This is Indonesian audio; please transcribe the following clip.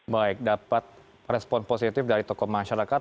baik dapat respon positif dari tokoh masyarakat